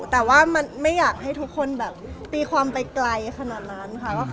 แต่ว่ามันไม่อยากให้ทุกคนแบบตีความไปไกลขนาดนั้นค่ะ